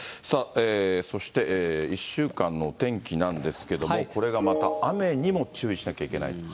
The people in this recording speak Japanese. そして１週間のお天気なんですけれども、これがまた雨にも注意しなきゃいけない。